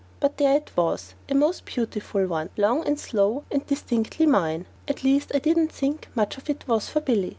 But there it was, a most beautiful one, long and slow and distinctly mine at least I didn't think much of it was for Billy.